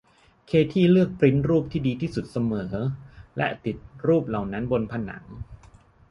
เคธี่เลือกปริ้นท์รูปที่ดีที่สุดเสมอและติดรูปเหล่านั้นบนผนัง